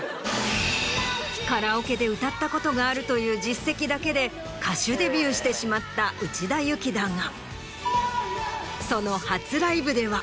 カラオケで歌ったことがあるという実績だけで歌手デビューしてしまった内田有紀だがその。